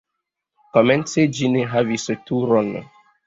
Komence ĝi ne havis turon.